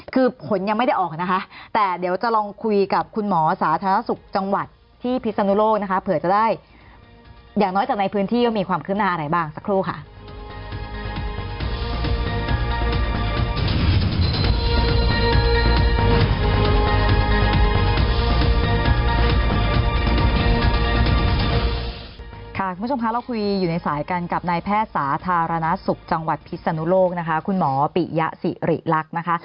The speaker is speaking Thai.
คุณผู้ชมค่ะเราคุยอยู่ในสายกันกับนายแพทย์สาธารณสุขจังหวัดพิศนุโลกคุณหมอปิยะศิริรักษ์นะคะ